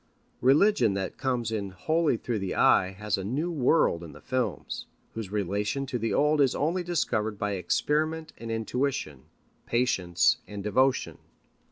Religion that comes in wholly through the eye has a new world in the films, whose relation to the old is only discovered by experiment and intuition, patience and devotion.